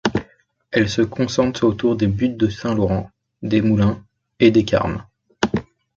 Elle se concentre autour des buttes de Saint-Laurent, des Moulins et des Carmes.